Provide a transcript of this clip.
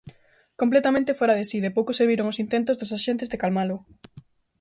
Completamente fóra de si, de pouco serviron os intentos dos axentes de calmalo.